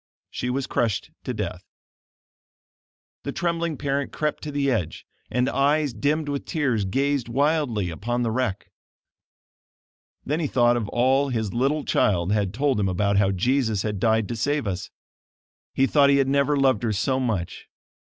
She was crushed to death. The trembling parent crept to the edge, and eyes dimmed with tears, gazed wildly upon the wreck. Then he thought of all his little child had told him about how Jesus had died to save us. He thought he had never loved her so much.